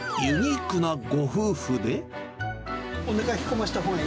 おなか引っ込ませたほうがい